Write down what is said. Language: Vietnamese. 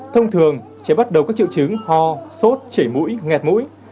thông thường trẻ bắt đầu có triệu chứng ho sốt chảy mũi nghẹt mũi